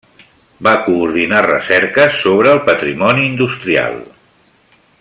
Va coordinar recerques sobre el patrimoni industrial.